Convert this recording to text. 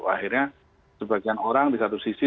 akhirnya sebagian orang disatu sisi